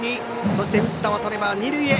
そして、打った渡辺は二塁へ。